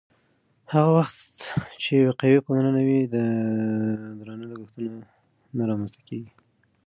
هغه وخت چې وقایوي پاملرنه وي، درانه لګښتونه نه رامنځته کېږي.